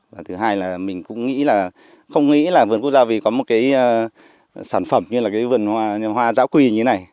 và thứ hai là mình cũng nghĩ là không nghĩ là vườn quốc gia vì có một cái sản phẩm như là cái vườn hoa giã quỳ như thế này